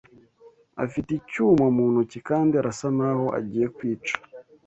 Afite icyuma mu ntoki kandi arasa n’aho agiye kwica